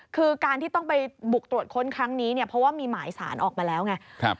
คือการที่ต้องไปบุกตรวจค้นครั้งนี้เนี่ยเพราะว่ามีหมายสารออกมาแล้วไง